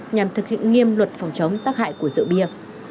nhằm thực hiện nghiêm luật phòng chống tác hại của rượu bia